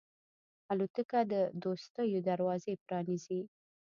الوتکه د دوستیو دروازې پرانیزي.